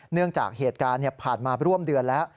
เนื่องจากเหตุการณ์ผ่านมาร่วมเดือนแล้ว